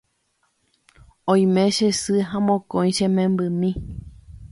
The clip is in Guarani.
Oime che sy ha mokõi che membymi